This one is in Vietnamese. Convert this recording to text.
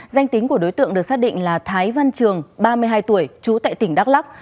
danh tính của đối tượng được xác định là thái văn trường ba mươi hai tuổi trú tại tỉnh đắk lắc